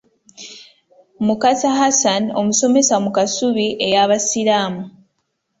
Mukasa Hassan omusomesa mu Kasubi ey'abasiiramu.